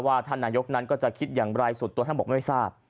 ท่านนายกนั้นก็จะคิดอย่างไรส่วนตัวท่านบอกไม่ทราบ